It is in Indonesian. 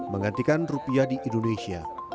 menggantikan rupiah di indonesia